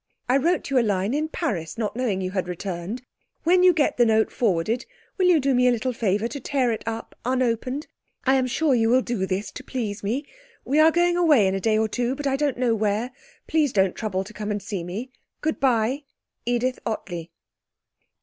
I wrote you a line to Paris, not knowing you had returned. When you get the note forwarded, will you do me the little favour to tear it up unopened? I'm sure you will do this to please me. 'We are going away in a day or two, but I don't know where. Please don't trouble to come and see me. 'Good bye. 'EDITH OTTLEY.'